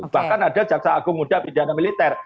bahkan ada jaksa agung muda pidana militer